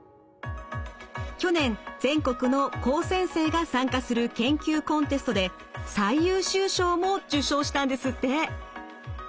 去年全国の高専生が参加する研究コンテストで最優秀賞も受賞したんですって。